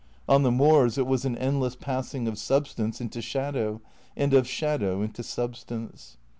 On the moors it was an endless passing of substance into shadow and of shadow into substance.